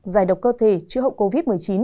giải độc cơ thể chữa hậu covid một mươi chín